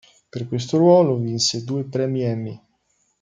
Per questo ruolo vinse due premi Emmy.